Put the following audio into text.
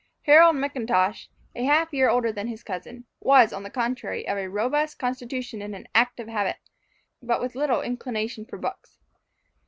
Harold McIntosh, a half year older than his cousin, was, on the contrary, of a robust constitution and active habit, with but little inclination for books.